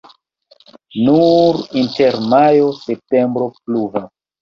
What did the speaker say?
Nur inter majo-septembro pluvas.